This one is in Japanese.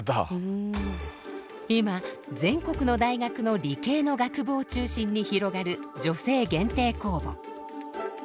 今全国の大学の理系の学部を中心に広がる女性限定公募。